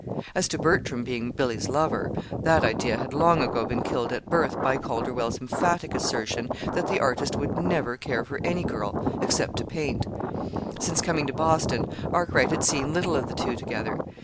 As to Bertram being Billy's lover that idea had long ago been killed at birth by Calderwell's emphatic assertion that the artist would never care for any girl except to paint. Since coming to Boston, Arkwright had seen little of the two together.